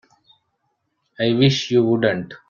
I wish you wouldn't.